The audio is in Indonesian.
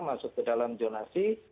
masuk ke dalam jurnasi